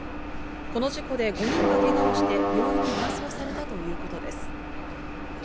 この事故で５人がけがをして、病院に搬送されたということです。